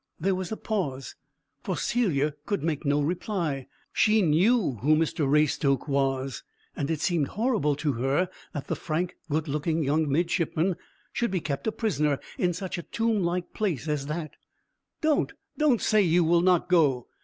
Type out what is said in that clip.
There was a pause, for Celia could make no reply; she knew who Mr Raystoke was, and it seemed horrible to her that the frank, good looking young midshipman should be kept a prisoner in such a tomb like place as that. "Don't, don't say you will not go!"